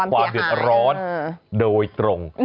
ความเดือดร้อนโดยตรง